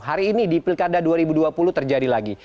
hari ini di pilkada dua ribu dua puluh terjadi lagi